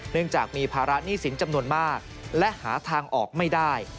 จากมีภาระหนี้สินจำนวนมากและหาทางออกไม่ได้